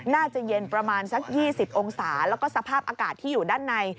น่าจะเย็นประมาณสัก๒๐องศาแล้วก็สภาพอากาศที่อยู่ด้านใน